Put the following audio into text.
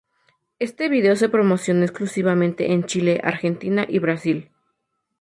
Este video se promocionó exclusivamente en Chile, Argentina y Brasil.